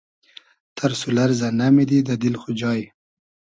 تئرس و لئرزۂ نئمیدی دۂ دیل خو جای